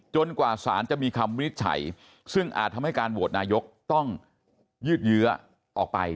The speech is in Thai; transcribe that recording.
กว่าสารจะมีคำวินิจฉัยซึ่งอาจทำให้การโหวตนายกต้องยืดเยื้อออกไป